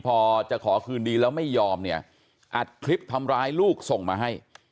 พอจะขอคืนดีแล้วไม่ยอมเนี่ยอัดคลิปทำร้ายลูกส่งมาให้